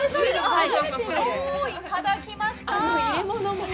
お、いただきましたぁ！